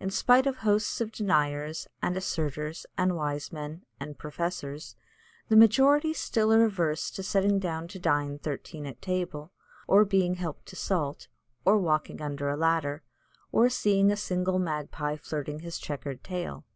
In spite of hosts of deniers, and asserters, and wise men, and professors, the majority still are averse to sitting down to dine thirteen at table, or being helped to salt, or walking under a ladder, or seeing a single magpie flirting his chequered tail.